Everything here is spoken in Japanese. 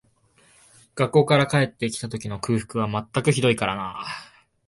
学校から帰って来た時の空腹は全くひどいからな